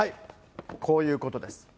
こういうことです。